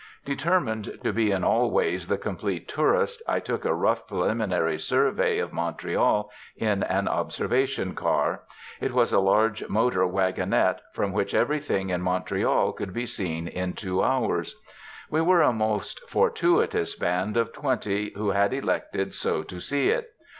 Determined to be in all ways the complete tourist, I took a rough preliminary survey of Montreal in an 'observation car.' It was a large motor wagonette, from which everything in Montreal could be seen in two hours. We were a most fortuitous band of twenty, who had elected so to see it.